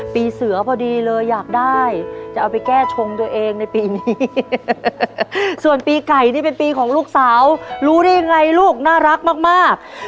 ปีเสือพอดีเลยอยากได้จะเอาไปแก้ชงตัวเองในปีนี้ส่วนปีไก่นี่เป็นปีของลูกสาวรู้ได้ยังไงลูกน่ารักมาก